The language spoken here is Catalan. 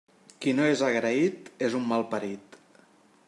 Qui no és agraït, és un malparit.